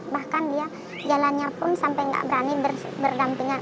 bahkan dia jalannya pun sampai tidak berani bergampingan